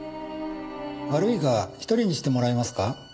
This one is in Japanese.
悪いが一人にしてもらえますか。